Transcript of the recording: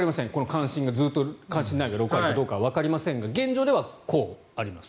関心がずっと、関心ないが６割かどうかわかりませんが現状ではこうあります。